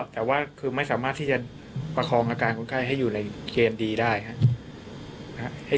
แต่ว่าคือไม่สามารถที่จะประคองอาการคนไข้ให้อยู่ในเกณฑ์ดีได้ครับ